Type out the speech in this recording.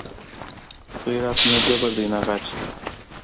غیرت نه جبر دی نه غچ